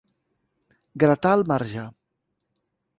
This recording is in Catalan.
Gratar el marge.